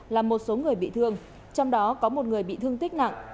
làm một số người bị thương trong đó có một người bị thương tích nặng